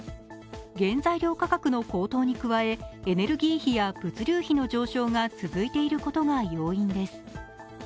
原材料価格の高騰に加え、エネルギー費や物流費の上昇が続いていることが要因です。